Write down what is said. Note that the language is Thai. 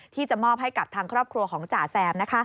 ที่จะมอบให้กับทางครอบครัวของจ่าแซม